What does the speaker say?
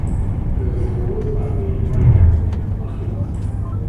د زورورهغې ول نه لري ،بخۍ دى.